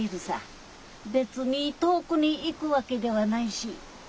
別に遠くに行くわけではないし。